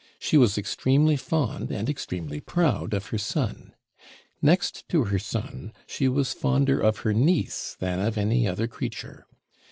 She was extremely fond and extremely proud of her son. Next to her son, she was fonder of her niece than of any other creature.